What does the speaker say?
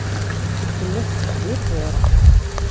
Tella tetteḥdiqir.